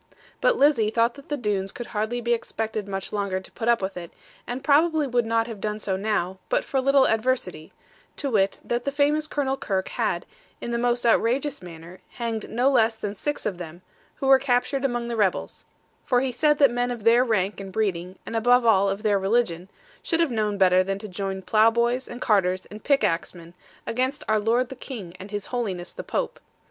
But Lizzie thought that the Doones could hardly be expected much longer to put up with it, and probably would not have done so now, but for a little adversity; to wit, that the famous Colonel Kirke had, in the most outrageous manner, hanged no less than six of them, who were captured among the rebels; for he said that men of their rank and breeding, and above all of their religion, should have known better than to join plough boys, and carters, and pickaxemen, against our Lord the King, and his Holiness the Pope.